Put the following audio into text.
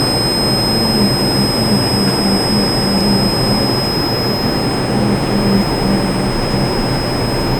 Originalmente, estas instalaciones albergaban las escuelas y otras dependencias de la Aeronáutica naval.